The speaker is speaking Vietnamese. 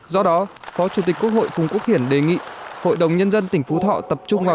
do đó phó chủ tịch quốc hội phùng quốc hiển đề nghị hội đồng nhân dân tỉnh phú thọ tập trung vào